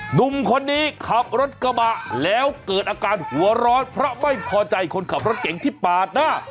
หนุ่มคนนี้ขับรถกระบะแล้วเกิดอาการหัวร้อนเพราะไม่พอใจคนขับรถเก่งที่ปาดหน้า